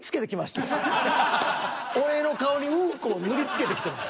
俺の顔にウンコを塗りつけてきてます。